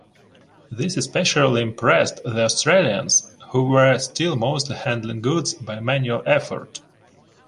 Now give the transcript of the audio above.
This especially impressed the Australians who were still mostly handling goods by manual effort.